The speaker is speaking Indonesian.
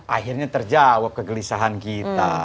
akhirnya terjawab kegelisahan kita